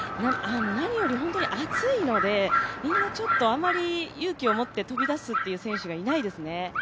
何より本当に暑いのでみんな勇気を持って飛び出すという選手がいないですね。